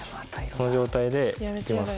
この状態でいきます。